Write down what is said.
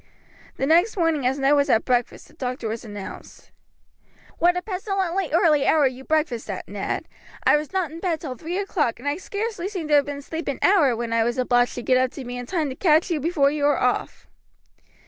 The next morning, as Ned was at breakfast, the doctor was announced. "What a pestilently early hour you breakfast at, Ned! I was not in bed till three o'clock, and I scarcely seemed to have been asleep an hour when I was obliged to get up to be in time to catch you before you were off."